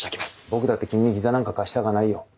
僕だって君に膝なんか貸したかないよ。